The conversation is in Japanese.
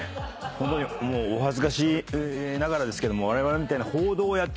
ホントにお恥ずかしいながらですけどもわれわれみたいな。